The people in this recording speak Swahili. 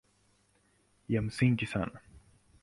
Ya msingi sana